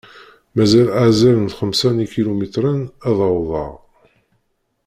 Mazal azal n xemsa n ikilumitren ad awḍeɣ.